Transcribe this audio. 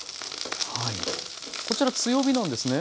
こちら強火なんですね？